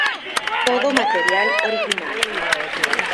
Todo material original.